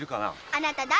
あなた誰？